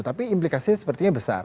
tapi implikasinya sepertinya besar